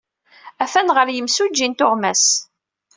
Atan ɣer yimsujji n tuɣmas.